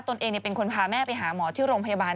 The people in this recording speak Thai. ตัวเองเป็นคนพาแม่ไปหาหมอที่โรงพยาบาล